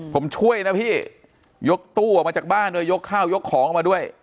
ผมช่วยนะพี่ยกตู้ออกมาจากบ้านด้วยยกข้าวยกของออกมาด้วย